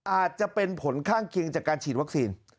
อาจจะเป็นผลข้างเคียงจากการฉีดวัคซีน